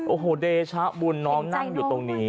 โอ้โหเดชะบุญน้องนั่งอยู่ตรงนี้